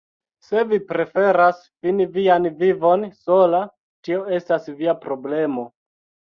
Se vi preferas fini vian vivon sola, tio estas via problemo.